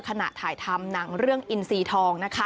ขณะถ่ายทำหนังเรื่องอินซีทองนะคะ